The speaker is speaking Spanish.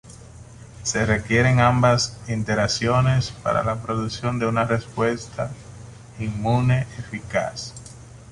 Se requieren ambas interacciones para la producción de una respuesta inmune eficaz.